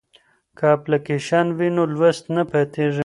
که اپلیکیشن وي نو لوست نه پاتیږي.